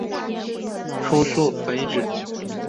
初速可以指